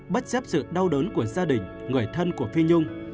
bất chấp sự đau đớn của gia đình người thân của phi nhung